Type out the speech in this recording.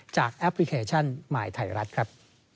แอปพลิเคชันหมายไทยรัฐครับ